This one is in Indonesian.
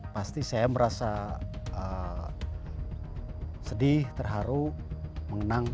pasti saya merasa sedih terharu mengenang